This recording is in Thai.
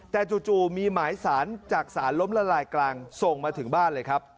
แต่จู่มีหมายสารจากสารล้มละลายกลางส่งมาถึงบ้านเลยครับ